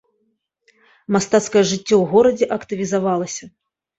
Мастацкае жыццё ў горадзе актывізавалася.